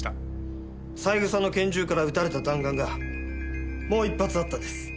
三枝の拳銃から撃たれた弾丸がもう一発あったんです。